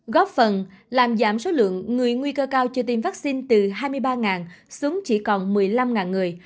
góp phần làm giảm số lượng người nguy cơ cao chưa tiêm vaccine từ hai mươi ba xuống chỉ còn một mươi năm người